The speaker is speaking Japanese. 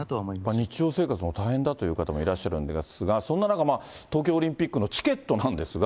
日常生活も大変だという方もいらっしゃるんですが、そんな中、東京オリンピックのチケットなんですが。